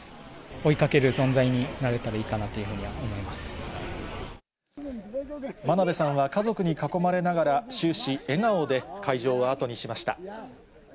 追いかける存在になれたらと真鍋さんは家族に囲まれながら、終始、笑顔で会場を後にしました。